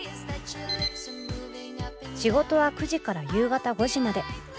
仕事は９時から夕方５時まで。